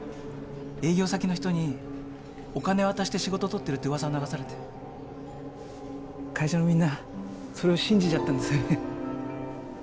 営業先の人にお金渡して仕事とってるってうわさを流されて会社のみんなそれを信じちゃったんですよね。